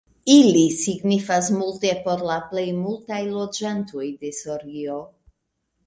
Ili signifas multe por la plejmultaj loĝantoj de Sorio.